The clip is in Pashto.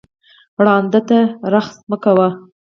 ړانده ته رخس مه کوه